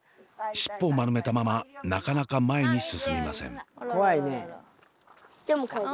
尻尾を丸めたままなかなか前に進みません。